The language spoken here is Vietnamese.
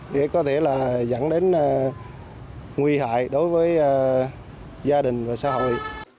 để có thể là dẫn đến nguy hại đối với gia đình và xã hội